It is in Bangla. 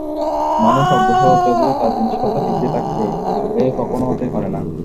মানুষ অগ্রসর হচ্ছে অথচ তার জিনিসপত্র পিছিয়ে থাকছে, এ কখনো হতেই পারে না।